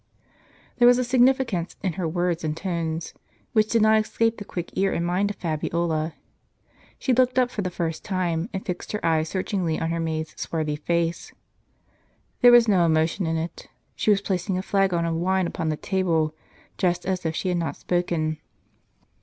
There was a significance in her Avords and tones, which did not escape the quick ear and mind of Fabiola. She looked up, for the first time, and fixed her eyes searchingly on her maid's swarthy face. There was no emotion in it; she was placing a flagon of wine upon the table, just as if she had not spoken.